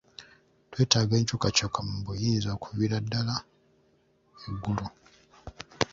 Twetaaga enkyukakyuka mu buyinza okuviira ddala eggulo.